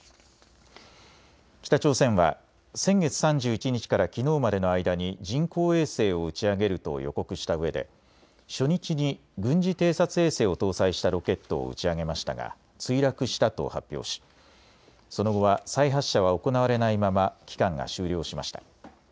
北朝鮮は先月３１日からきのうまでの間に人工衛星を打ち上げると予告したうえで初日に軍事偵察衛星を搭載したロケットを打ち上げましたが墜落したと発表しその後は再発射は行われないまま期間が終了しました。